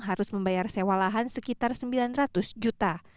harus membayar sewa lahan sekitar sembilan ratus juta